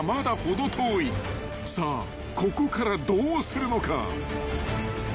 ［さあここからどうするのか］